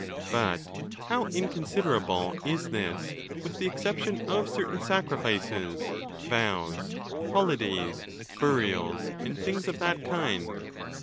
But how inconsiderable is this, with the exception of certain sacrifices, vows, holidays, burials, and things of that kind.